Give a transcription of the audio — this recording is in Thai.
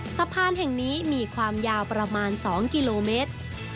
สะพานแห่งนี้มีความยาวประมาณ๒กิโลเมตร